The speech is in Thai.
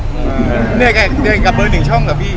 เหนื่อยกับเบอร์หนึ่งช่องเหรอพี่